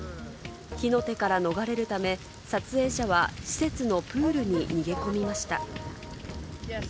火の手から逃れるため、撮影者は施設のプールに逃げ込みました。